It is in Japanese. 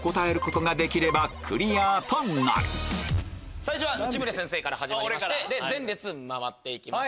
最初は内村先生から始まりまして前列を回って行きます。